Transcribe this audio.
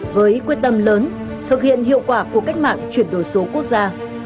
với quyết tâm lớn thực hiện hiệu quả của cách mạng chuyển đổi số quốc gia